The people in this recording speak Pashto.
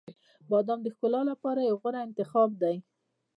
• بادام د ښکلا لپاره یو غوره انتخاب دی.